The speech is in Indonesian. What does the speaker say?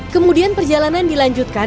kemudian perjalanan dilanjutkan